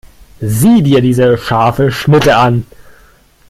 Sieh dir diese scharfe Schnitte an!